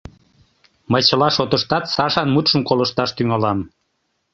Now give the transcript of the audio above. Мый чыла шотыштат Сашан мутшым колышташ тӱҥалам.